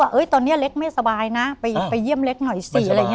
เฮ้ยตอนนี้เล็กไม่สบายนะไปเยี่ยมเล็กหน่อยสิ